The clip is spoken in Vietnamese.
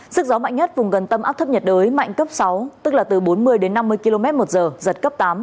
sức gió mạnh nhất vùng gần tâm áp thấp nhiệt đới mạnh cấp sáu tức là từ bốn mươi đến năm mươi km một giờ giật cấp tám